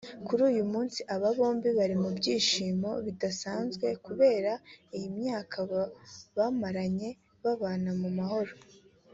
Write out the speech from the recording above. Kuri uyu munsi abo bombi bari mu byinshimo bidasanzwe kubera iyi myaka bamaranye babana mu mahoro